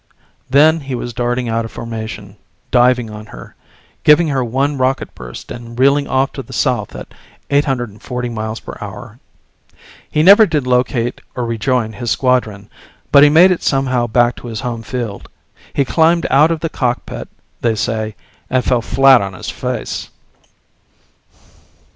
Then he was darting out of formation, diving on her, giving her one rocket burst and reeling off to the south at 840 MPH. He never did locate or rejoin his squadron, but he made it somehow back to his home field. He climbed out of the cockpit, they say, and fell flat on his face.